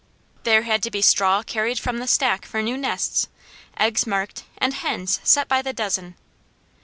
There had to be straw carried from the stack for new nests, eggs marked, and hens set by the dozen.